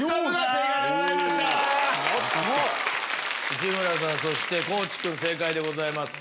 内村さんそして地君正解でございます。